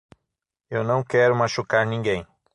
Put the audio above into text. Eu não quero machucar ninguém.